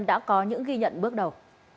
đã có những ghi nhận bước đầu